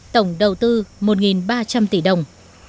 tổng đầu tư một ba trăm linh tỷ đồng